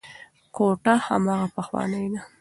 کوټه هماغه پخوانۍ ده.